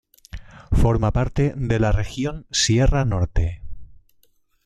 Forma parte de la región Sierra Norte.